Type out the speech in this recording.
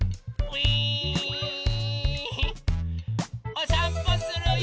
おさんぽするよ。